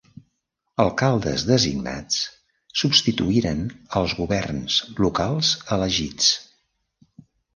Alcaldes designats substituïren els governs locals elegits.